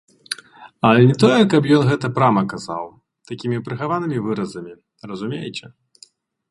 Але не тое, каб ён гэта прама казаў, такімі прыхаванымі выразамі, разумееце.